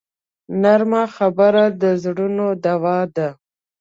نرمه خبره د زړونو دوا ده